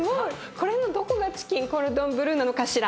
これのどこがチキン・コルドン・ブルーなのかしら？